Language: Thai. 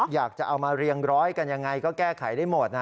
อยากจะเอามาเรียงร้อยกันยังไงก็แก้ไขได้หมด